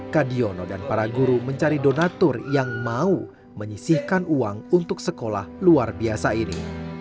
kadiono dan para guru mencari donatur yang mau menyisihkan uang untuk sekolah luar biasa ini